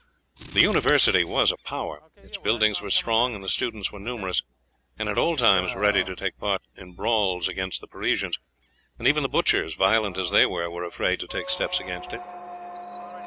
The University was a power; its buildings were strong, and the students were numerous, and at all times ready to take part in brawls against the Parisians; and even the butchers, violent as they were, were afraid to take steps against it.